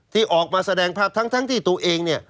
ที่ออกมาแสดงภาพทั้งที่ตัวเองเนี่ย